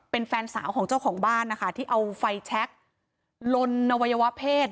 เป็นแฟนสาวของเจ้าของบ้านนะคะที่เอาไฟแช็คลนอวัยวะเพศ